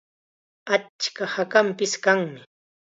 Achka hakanpis kanmi.